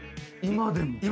今でも。